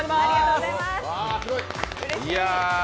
うれしい。